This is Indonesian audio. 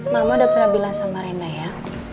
mama udah pernah bilang sama rena ya